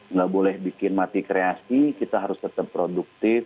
nggak boleh bikin mati kreasi kita harus tetap produktif